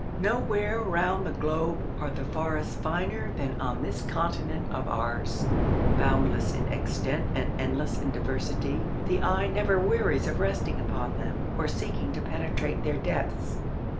Nowhere round the globe are the forests finer than on this continent of ours. Boundless in extent and endless in diversity, the eye never wearies of resting upon them or seeking to penetrate their depths.